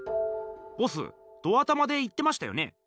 ボスド頭で言ってましたよね？